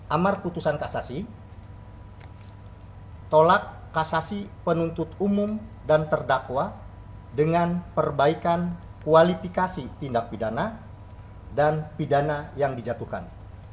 amar putusan kasasi tolak kasasi penuntut umum dan terdakwa dengan perbaikan kualifikasi tindak pidana dan pidana yang dijatuhkan